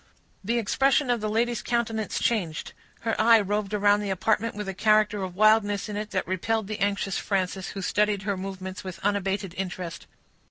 The expression of the lady's countenance changed; her eye roved around the apartment with a character of wildness in it that repelled the anxious Frances, who studied her movements with unabated interest.